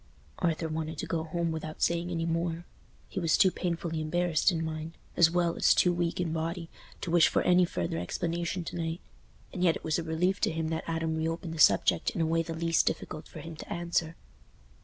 Arthur wanted to go home without saying any more—he was too painfully embarrassed in mind, as well as too weak in body, to wish for any further explanation to night. And yet it was a relief to him that Adam reopened the subject in a way the least difficult for him to answer.